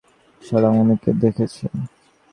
ভদ্রলোক সহজ স্বরে বললেন, আমি ছাড়াও অনেকে দেখেছে।